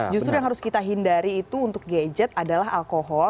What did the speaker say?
justru yang harus kita hindari itu untuk gadget adalah alkohol